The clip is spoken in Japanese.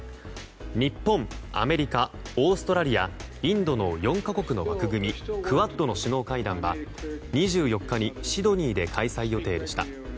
日本、アメリカ、オーストラリアインドの４か国の枠組みクアッドの首脳会談が２４日にシドニーで開催予定でした。